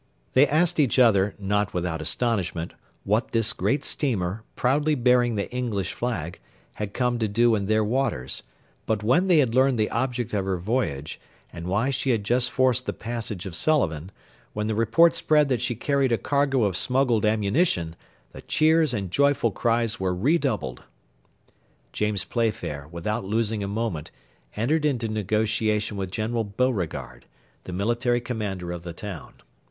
They asked each other, not without astonishment, what this great steamer, proudly bearing the English flag, had come to do in their waters; but when they learned the object of her voyage, and why she had just forced the passage Sullivan, when the report spread that she carried a cargo of smuggled ammunition, the cheers and joyful cries were redoubled. James Playfair, without losing a moment, entered into negotiation with General Beauregard, the military commander of the town.